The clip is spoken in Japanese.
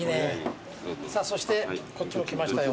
さあそしてこっちも来ましたよ。